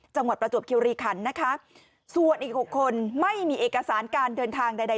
ประจวบคิวรีคันนะคะส่วนอีกหกคนไม่มีเอกสารการเดินทางใดใด